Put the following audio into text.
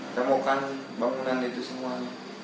temukan bangunan itu semuanya